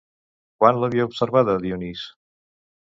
Quan l'havia observada Dionís?